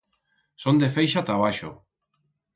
Son de feixa ta abaixo.